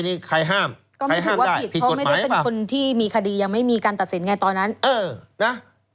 นี่ใครห้ามได้ผิดกฎหมายหรือเปล่า